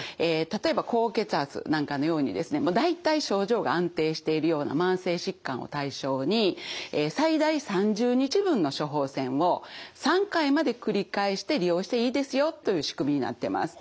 例えば高血圧なんかのようにですね大体症状が安定しているような慢性疾患を対象に最大３０日分の処方せんを３回までくり返して利用していいですよという仕組みになってます。